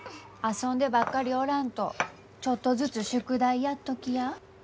遊んでばっかりおらんとちょっとずつ宿題やっときや。